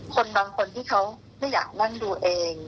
คนบางคนที่เขาไม่อยากนั่งดูเอง